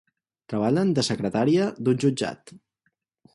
Treballen de secretària d'un jutjat.